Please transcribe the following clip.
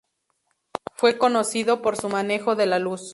Fue conocido por su manejo de la luz.